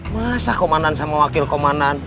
masa komandan sama wakil komandan